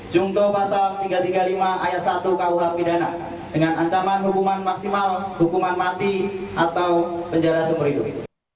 jungto pasal tiga ratus tiga puluh lima ayat satu kuh pidana dengan ancaman hukuman maksimal hukuman mati atau penjara seumur hidup